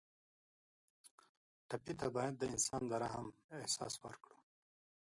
ټپي ته باید د انسان د رحم احساس ورکړو.